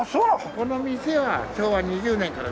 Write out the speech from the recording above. この店は昭和２０年から。